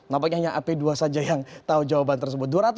nampaknya hanya ap dua saja yang tahu jawaban tersebut